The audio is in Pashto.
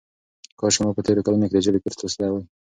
کاشکې ما په تېرو کلونو کې د ژبې کورس لوستی وای.